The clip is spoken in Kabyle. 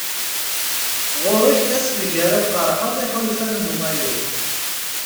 Ɣur-k ass deg ara tqeṛḥeḍ iḥulfan n wayeḍ.